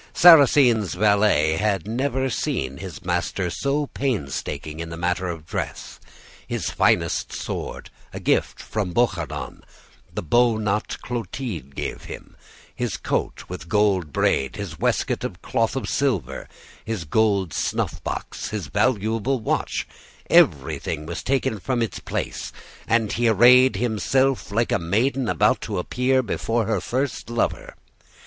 Sarrasine's valet had never seen his master so painstaking in the matter of dress. His finest sword, a gift from Bouchardon, the bow knot Clotilde gave him, his coat with gold braid, his waistcoat of cloth of silver, his gold snuff box, his valuable watch, everything was taken from its place, and he arrayed himself like a maiden about to appear before her first lover.